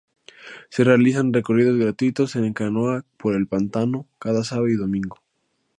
Se realizan recorridos gratuitos en canoa por el pantano cada sábado y domingo.